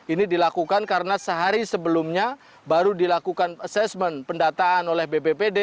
ini dilakukan karena sehari sebelumnya baru dilakukan assessment pendataan oleh bppd